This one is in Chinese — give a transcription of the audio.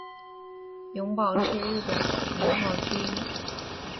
永保是日本的年号之一。